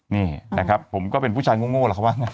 นี่นะครับผมก็เป็นผู้ชายโง่แหละครับว่า